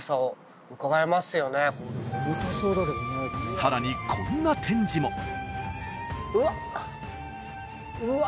さらにこんな展示もうわうわ